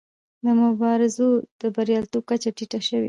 د مبارزو د بریالیتوب کچه ټیټه شوې.